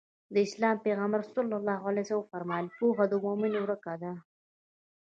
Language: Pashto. د اسلام پيغمبر ص وفرمايل پوهه د مؤمن ورکه ده.